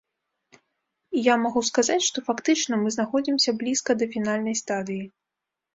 І я магу сказаць, што фактычна мы знаходзімся блізка да фінальнай стадыі.